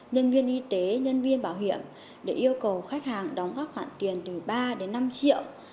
nhân viên y tế nhân viên bảo hiểm để yêu cầu khách hàng đóng các khoản tiền từ ba đến năm triệu